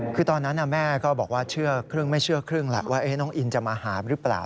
ฟังที่คุณแม่เล่าให้ฟังนะฮะ